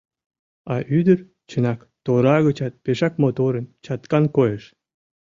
А ӱдыр, чынак, тора гычат пешак моторын, чаткан коеш.